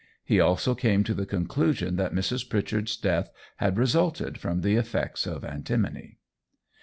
He also came to the conclusion that Mrs Pritchard's death had resulted from the effects of antimony.